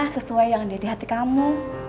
sesuai yang ada di hati kamu